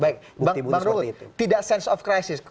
bang rul tidak sense of crisis